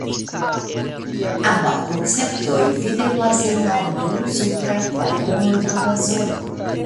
Ambaŭ konceptoj videblas en la du supraj kvaronoj de la blazono.